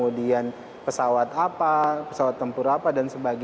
jadi untuk postur pertahanan apa yang harus kita beli